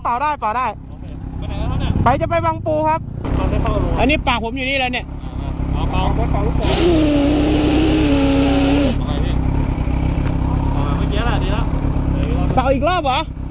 สวัสดีครับสวัสดีครับ